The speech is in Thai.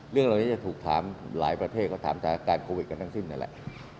เรื่องแบบนี้ก็จะถูกถามหลายประเทศก็ถามการโปรไฟตกันทั้งสิ้นไหนแหละ